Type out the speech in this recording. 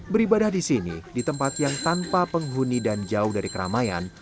beribadah di sini di tempat yang tanpa penghuni dan jauh dari keramaian